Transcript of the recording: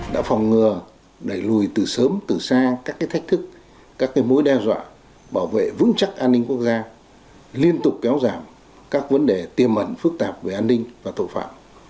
đã phòng ngừa đẩy lùi từ sớm từ xa các thách thức các mối đe dọa bảo vệ vững chắc an ninh quốc gia liên tục kéo giảm các vấn đề tiềm mẩn phức tạp về an ninh và tội phạm